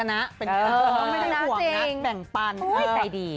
ไม่ได้หัวนะแต่งปันโอ้ยใจดี